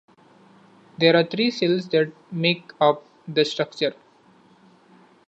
There are three "sails" that make up the structure.